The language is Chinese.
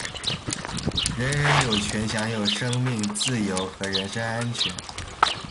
人人有权享有生命、自由和人身安全。